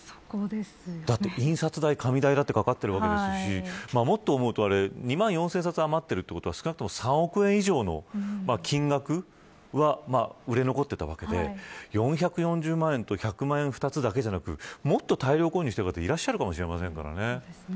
印刷代や紙代もかかるわけですし２万４０００冊余っているということは、３億円以上の金額は、売れ残っていたわけで４４０万円と１００万円２つだけではなくもっと大量購入した方もいらっしゃるかもしれませんからね。